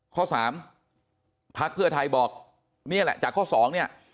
ข้อสามพักเพื่อไทยบอกนี่แหละจากข้อ๒เนี่ย